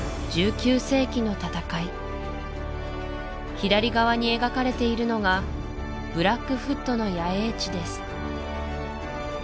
左側に描かれているのがブラックフットの野営地です